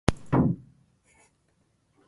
病気かな？病気じゃないよ病気だよ